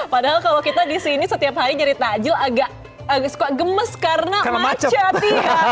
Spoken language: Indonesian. padahal kalau kita di sini setiap hari nyari tajil agak gemes karena macet ya